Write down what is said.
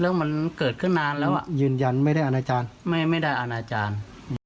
เรื่องมันเกิดขึ้นนานแล้วยืนยันไม่ได้อาณาจารย์ไม่ได้อาณาจารย์